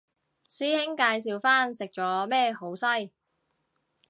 師兄介紹返食咗咩好西